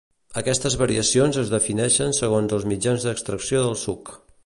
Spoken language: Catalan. Aquestes variacions es defineixen segons els mitjans d'extracció del suc.